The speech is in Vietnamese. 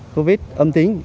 covid âm tính